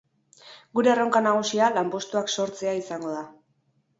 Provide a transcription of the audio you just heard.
Gure erronka nagusia lanpostuak sortzea izango da.